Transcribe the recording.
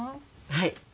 はい。